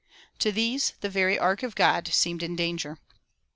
To these the very ark of God seemed in danger.